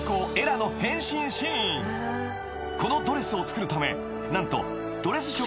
［このドレスを作るため何と］